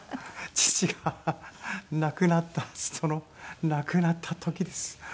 父が亡くなったその亡くなった時です。